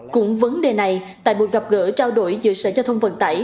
cũng vấn đề này tại buổi gặp gỡ trao đổi giữa sở giao thông vận tải